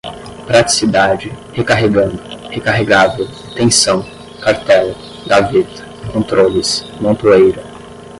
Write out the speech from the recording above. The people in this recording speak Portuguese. praticidade, recarregando, recarregável, tensão, cartela, gaveta, controles, montoeira